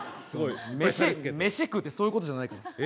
メシ食うってそういうことじゃないよ。